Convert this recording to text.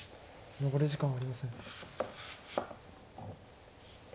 残り時間はありません。